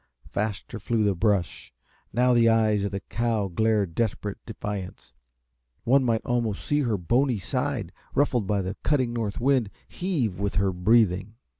Faster flew the brush. Now the eyes of the cow glared desperate defiance. One might almost see her bony side, ruffled by the cutting north wind, heave with her breathing.